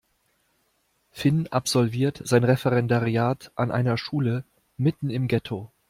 Finn absolviert sein Referendariat an einer Schule mitten im Ghetto.